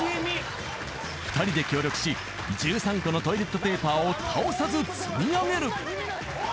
［２人で協力し１３個のトイレットペーパーを倒さず積み上げる］